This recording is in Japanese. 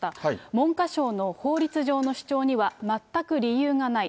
文科省の法律上の主張には全く理由がない。